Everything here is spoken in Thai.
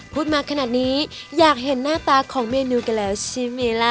พูดมาขนาดนี้อยากเห็นหน้าตาของเมนูกันแล้วใช่ไหมล่ะ